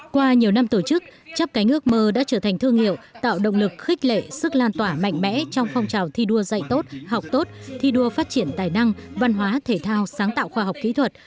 qua nhiều năm tổ chức chắp cánh ước mơ đã trở thành thương hiệu tạo động lực khích lệ sức lan tỏa mạnh mẽ trong phong trào thi đua dạy tốt học tốt thi đua phát triển tài năng văn hóa thể thao sáng tạo khoa học kỹ thuật